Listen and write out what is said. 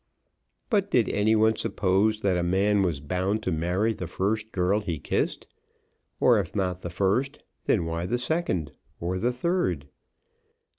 But did any one suppose that a man was bound to marry the first girl he kissed, or if not the first, then why the second, or the third?